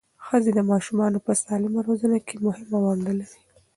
ښځې د ماشومانو په سالمه روزنه کې مهمه ونډه لري.